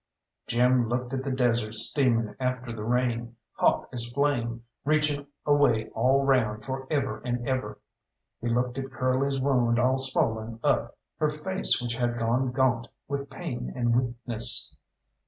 Jim looked at the desert steaming after the rain, hot as flame, reaching away all round for ever and ever. He looked at Curly's wound all swollen up, her face which had gone gaunt with pain and weakness.